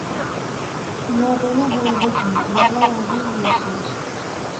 ঘটনা বলবে কি, বলার আগেই হাসি।